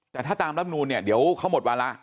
แต่ถ้าตามรับนูนเนี่ยเดี๋ยวเขาหมดวาระ